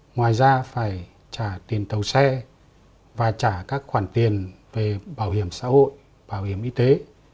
ngoài ra phải trả tiền tàu xe và trả các khoản tiền về bảo hiểm xã hội bảo hiểm y tế